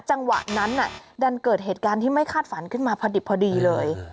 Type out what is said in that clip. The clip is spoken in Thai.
จังหวะนั้นดันเกิดเหตุการณ์ที่ไม่คาดฝันขึ้นมาพอดิบพอดีเลย